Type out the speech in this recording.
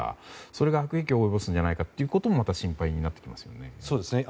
それが悪影響を及ぼすのではないかともまた心配になってきますね。